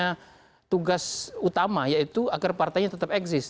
tidak ada tugas utama yaitu agar partainya tetap eksis